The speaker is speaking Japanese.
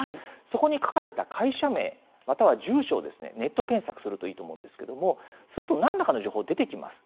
そこに書かれた会社名または住所をネット検索するといいと思うんですけれどもすると、何らかの情報出てきます。